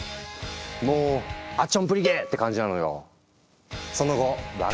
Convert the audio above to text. もう「アッチョンブリケ！」って感じなのよ。